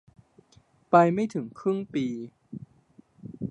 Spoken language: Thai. ไปไม่ถึงครึ่งปี